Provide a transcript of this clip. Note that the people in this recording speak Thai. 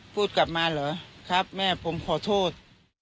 พูดกลับมาเหรอครับแม่ผมขอโทษ